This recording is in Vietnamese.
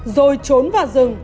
rồi trốn vào rừng